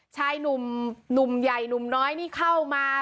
ชายหนุ่มใหญ่หนุ่มน้อยนี่เข้ามา